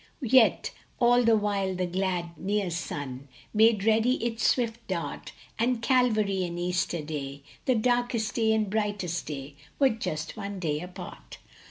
Yet all the while the glad, near sun Made ready its swift dart. And Calvary and Easter Day, The darkest day and brightest day, Were just one day apart